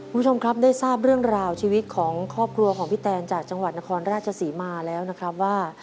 คุณผู้ชมครับได้ทราบเรื่องราวชีวิตของครอบครัวของพี่แตนจากจังหวัดนครราชศรีมาแล้วนะครับว่า